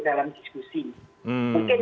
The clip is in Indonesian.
dalam diskusi mungkin